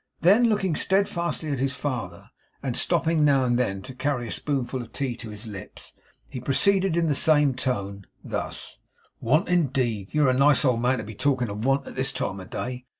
Then, looking steadfastly at his father, and stopping now and then to carry a spoonful of tea to his lips, he proceeded in the same tone, thus: 'Want, indeed! You're a nice old man to be talking of want at this time of day.